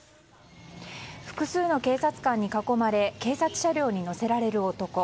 複数の警察官に囲まれ警察車両に乗せられる男。